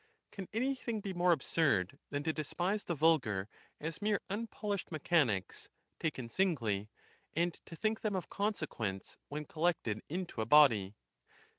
Can anything be more absurd than to de spise the vulgar as mere unpolished mechanics, taken sin gly, and to think them of consequence when collected into a body?